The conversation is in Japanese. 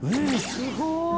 すごーい！